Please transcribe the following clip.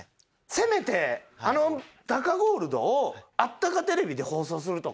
せめてあのタカゴールドを『あっ！たかテレビ』で放送するとか。